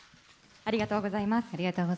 ありがとうございます。